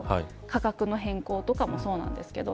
価格の変更とかもそうなんですけど。